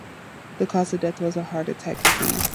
The cause of death was an attack of heart disease.